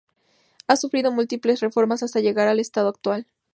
Ha sufrido múltiples reformas hasta llegar al estado actual.